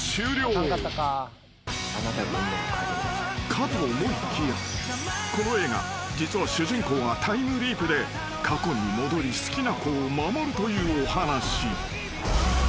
［かと思いきやこの映画実は主人公がタイムリープで過去に戻り好きな子を守るというお話］